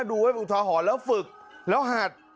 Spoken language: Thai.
ดูไว้อุทาหรณ์แล้วฝึกแล้วหัด